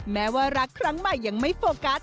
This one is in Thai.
แม้ว่ารักครั้งใหม่ยังไม่โฟกัส